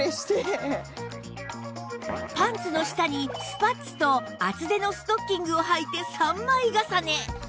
パンツの下にスパッツと厚手のストッキングをはいて３枚重ね